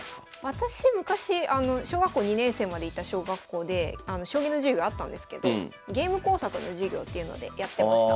私昔小学校２年生までいた小学校で将棋の授業あったんですけどゲーム工作の授業っていうのでやってました。